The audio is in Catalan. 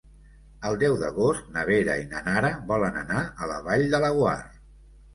El deu d'agost na Vera i na Nara volen anar a la Vall de Laguar.